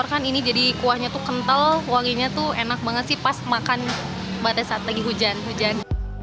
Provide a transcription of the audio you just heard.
rasa kental wanginya enak banget pas makan saat hujan